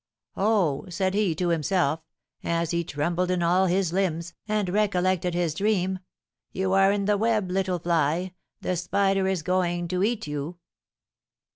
'Oh,' said he to himself as he trembled in all his limbs, and recollected his dream, 'you are in the web, little fly, the spider is going to eat you!'